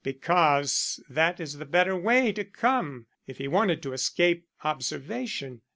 "Because that is the better way to come if he wanted to escape observation.